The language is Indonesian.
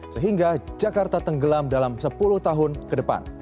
sehingga jakarta tenggelam dalam sepuluh tahun ke depan